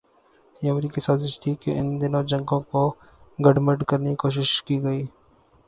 یہ امریکی سازش تھی کہ ان دونوں جنگوں کوگڈمڈ کرنے کی کوشش کی گئی۔